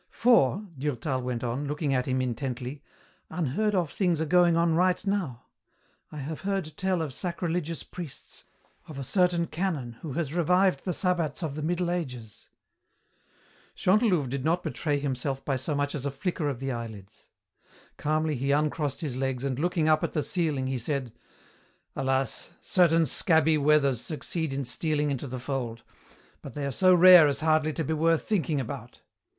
"For," Durtal went on, looking at him intently, "unheard of things are going on right now. I have heard tell of sacrilegious priests, of a certain canon who has revived the sabbats of the Middle Ages." Chantelouve did not betray himself by so much as a flicker of the eyelids. Calmly he uncrossed his legs and looking up at the ceiling he said, "Alas, certain scabby wethers succeed in stealing into the fold, but they are so rare as hardly to be worth thinking about."